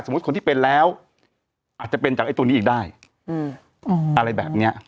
คนที่เป็นแล้วอาจจะเป็นจากไอ้ตัวนี้อีกได้อะไรแบบเนี้ย